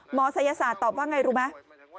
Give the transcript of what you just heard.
หมอสายศาสตร์ตอบว่าอย่างไรรู้ไหม